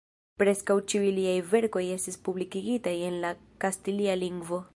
Preskaŭ ĉiuj liaj verkoj estis publikigitaj en la kastilia lingvo.